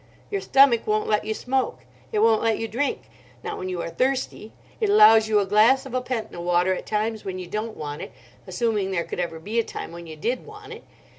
Your stomach won't let you smoke. It won't let you drink—not when you are thirsty. It allows you a glass of Apenta water at times when you don't want it, assuming there could ever be a time when you did want it.